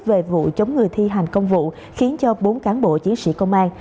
về vụ chống người thi hành công vụ khiến cho bốn cán bộ chiến sĩ công an